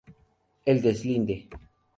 El deslinde.